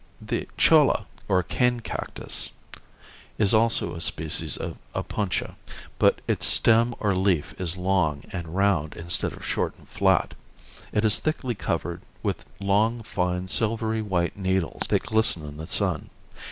The cholla, or cane cactus, is also a species of Opuntia, but its stem or leaf is long and round instead of short and flat. It is thickly covered with long, fine, silvery white needles that glisten in the sun.